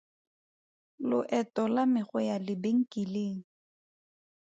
Loeto la me go ya lebenkeleng.